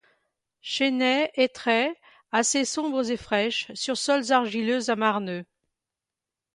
Chênaies-hêtraies assez sombres et fraîches, sur sols argileux à marneux.